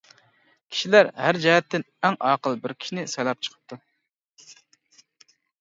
كىشىلەر ھەر جەھەتتىن ئەڭ ئاقىل بىر كىشىنى سايلاپ چىقىپتۇ.